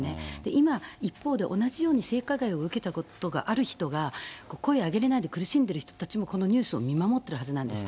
今、一方で同じように性加害を受けたことがある人が、声上げれないで苦しんでいる人たちも、このニュースを見守ってるはずなんです。